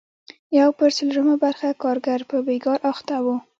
یو پر څلورمه برخه کارګر په بېګار اخته وو.